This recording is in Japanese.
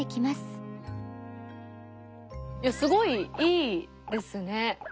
いやすごいいいですね。